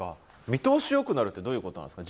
「見通し良くなる」ってどういうことなんですか？